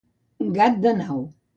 Gat de nau.